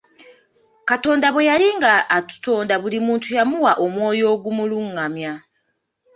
Katonda bwe yali nga atutonda buli muntu yamuwa omwoyo ogumulungamya.